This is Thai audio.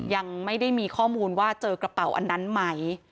ยังไม่ได้มีข้อมูลว่าเจอกระเป๋าอันนั้นไหม